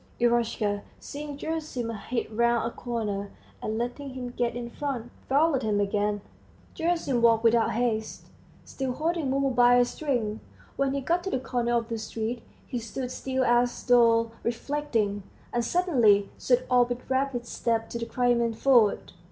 Eroshka, seeing Gerasim, hid round a corner, and letting him get in front, followed him again. Gerasim walked without haste, still holding Mumu by a string. When he got to the corner of the street, he stood still as though reflecting, and suddenly set off with rapid steps to the Crimean Ford.